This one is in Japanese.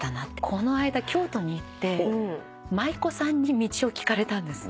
この間京都に行って舞妓さんに道を聞かれたんです。